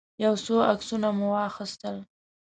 يو څو عکسونه مو واخيستل.